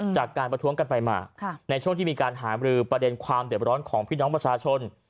จากการประท้วงกันไปมาในช่วงที่มีการหามรือประเด็นความเด็บร้อนของพี่น้องประชาชน